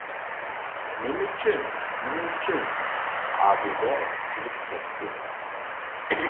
نېمە ئۈچۈن؟ نېمە ئۈچۈن؟ ئابىدە كۈلۈپ كەتتى.